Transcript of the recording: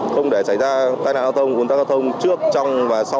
không để xảy ra tai nạn giao thông quân tác giao thông